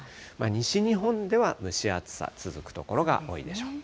西日本では蒸し暑さ、続く所が多いでしょう。